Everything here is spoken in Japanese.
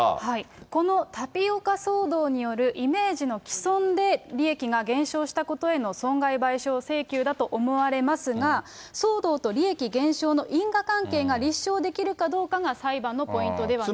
このタピオカ騒動によるイメージの毀損で利益が減少したことへの損害賠償請求だと思われますが、騒動と利益減少の因果関係が立証できるかどうかが裁判のポイントではないかと。